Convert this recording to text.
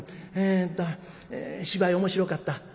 えっと芝居面白かった？